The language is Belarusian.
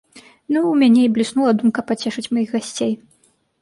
Ну, у мяне і бліснула думка пацешыць маіх гасцей.